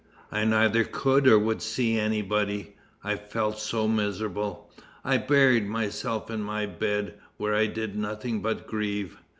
I neither could or would see anybody, I felt so miserable. I buried myself in my bed, where I did nothing but grieve.